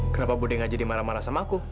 kenapa budi gak jadi marah marah sama aku